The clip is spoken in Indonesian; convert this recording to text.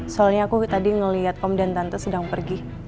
soalnya aku tadi ngeliat om dan tante sedang pergi